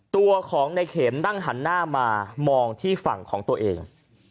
ตัวของในเข็มนั่งหันหน้ามามองที่ฝั่งของตัวเอง